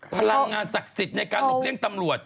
พลังงานศักดิ์สิทธิ์ในการหลบเลี่ยงตำรวจ